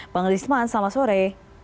bang lisman selamat sore